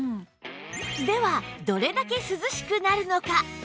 ではどれだけ涼しくなるのか？